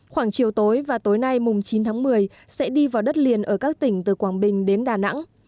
khoảng chiều tối và tối nay mùng chín tháng một mươi sẽ đi vào đất liền ở các tỉnh từ quảng bình đến đà nẵng